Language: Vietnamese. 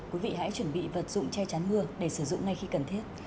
quý vị hãy chuẩn bị vật dụng che chắn mưa để sử dụng ngay khi cần thiết